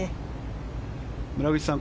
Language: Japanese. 村口さん